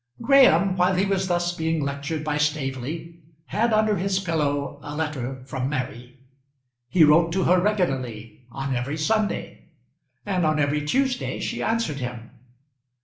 Graham, while he was thus being lectured by Staveley, had under his pillow a letter from Mary. He wrote to her regularly on every Sunday, and on every Tuesday she answered him.